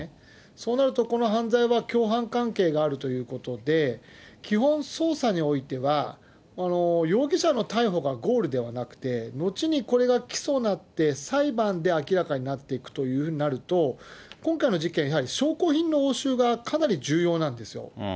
そうなると、この犯罪は共犯関係があるということで、基本、捜査においては、容疑者の逮捕がゴールではなくて、後にこれがきそになって裁判で明らかになっていくというふうになると、今回の事件、やはり証拠品の押収がかなり重要なんですよ。